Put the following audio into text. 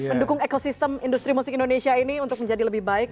mendukung ekosistem industri musik indonesia ini untuk menjadi lebih baik